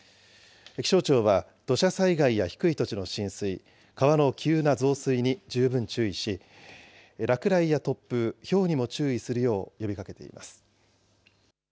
気象庁は、土砂災害や低い土地の浸水、川の急な増水に十分注意し、落雷や突風、ひょうにも注意するよう呼びかけています。